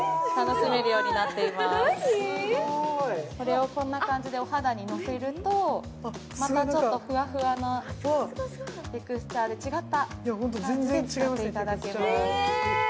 これをこんな感じでお肌にのせるとまたちょっとフワフワなテクスチャーで違った感じで使っていただけます